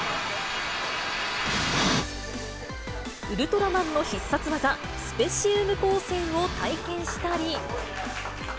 ウルトラマンの必殺技、スペシウム光線を体験したり。